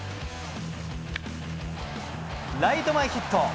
ライト前ヒット。